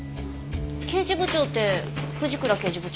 刑事部長って藤倉刑事部長？